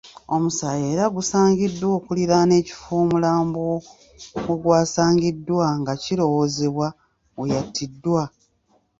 Omusaayi era gusaangiddwa okuliraana ekifo omulambo wegwasangiddwa nga kirowoozebwa weyatiddwa.